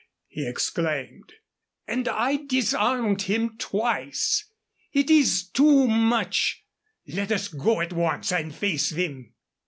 he exclaimed; "and I disarmed him twice. It is too much let us go at once and face them."